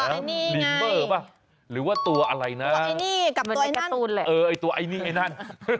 ตัวไอ้นี่ไงหรือว่าตัวอะไรนะเหมือนกับตัวไอ้นั่น